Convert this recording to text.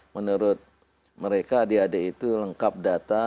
menurut mereka adik adik itu lengkap data